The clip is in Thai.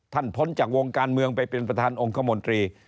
พ้นจากวงการเมืองไปเป็นประธานองคมนตรี